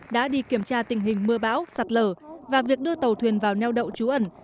đã đi kiểm tra tình hình mưa bão sạt lở và việc đưa tàu thuyền vào neo đậu trú ẩn